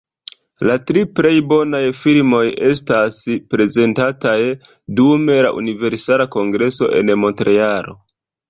La tri plej bonaj filmoj estos prezentataj dum la Universala Kongreso en Montrealo.